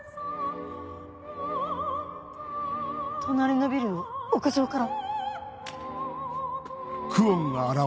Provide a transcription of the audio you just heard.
隣のビルの屋上から。